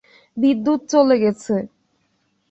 বিদ্যুৎ চলে গেছে।